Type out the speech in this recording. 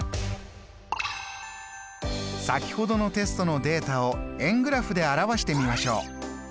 先ほどのテストのデータを円グラフで表してみましょう。